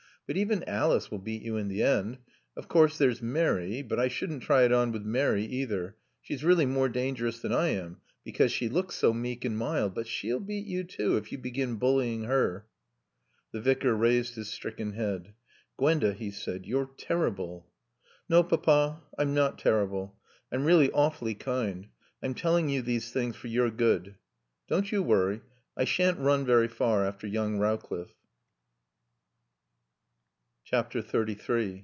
But even Alice will beat you in the end. Of course there's Mary. But I shouldn't try it on with Mary either. She's really more dangerous than I am, because she looks so meek and mild. But she'll beat you, too, if you begin bullying her." The Vicar raised his stricken head. "Gwenda," he said, "you're terrible." "No, Papa, I'm not terrible. I'm really awfully kind. I'm telling you these things for your good. Don't you worry. I shan't run very far after young Rowcliffe."